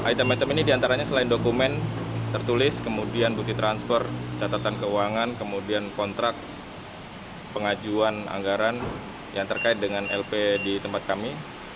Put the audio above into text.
item item ini diantaranya selain dokumen tertulis kemudian bukti transfer catatan keuangan kemudian kontrak pengajuan anggaran yang terkait dengan lp di tempat kami